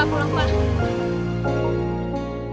aduh aduh aduh